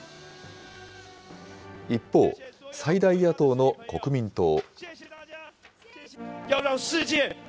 一方、最大野党の国民党。